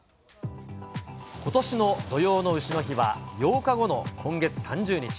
ことしの土用のうしの日は８日後の今月３０日。